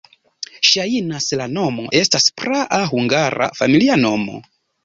Ŝajnas, la nomo estas praa hungara familia nomo.